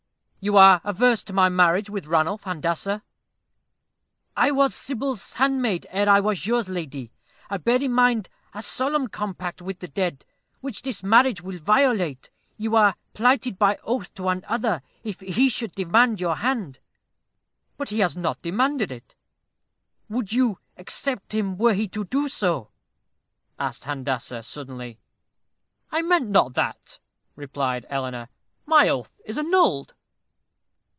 "You are averse to my marriage with Ranulph, Handassah." "I was Sybil's handmaid ere I was yours, lady. I bear in mind a solemn compact with the dead, which this marriage will violate. You are plighted by oath to another, if he should demand your hand." "But he has not demanded it." "Would you accept him were he to do so?" asked Handassah, suddenly. "I meant not that," replied Eleanor. "My oath is annulled."